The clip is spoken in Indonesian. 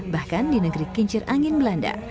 bahkan di negeri kincir angin belanda